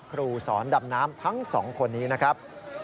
ครูสอนดำน้ำทั้งสองคนนี้นะครับ